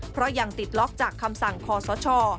เพราะยังติดล็อกจากคำสั่งคอสช